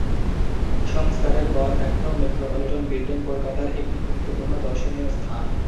সংস্কারের পর এখনও মেট্রোপলিটান বিল্ডিং কলকাতার একটি গুরুত্বপূর্ণ দর্শনীয় স্থান।